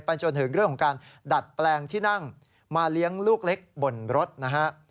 จนถึงเรื่องของการดัดแปลงที่นั่งมาเลี้ยงลูกเล็กบนรถนะฮะ